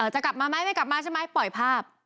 จะกลับมาไหมไม่กลับมาใช่ไหมปล่อยภาพ